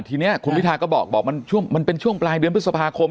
ทีนี้คุณพิทาก็บอกมันเป็นช่วงปลายเดือนพฤษภาคม